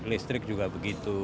listrik juga begitu